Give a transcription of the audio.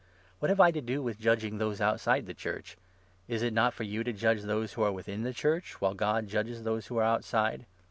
What have I to do 12 with judging those outside the Church ? Is it not for you to judge those who are within the Church, while God 13 judges those who are outside